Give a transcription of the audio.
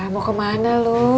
mau kemana lu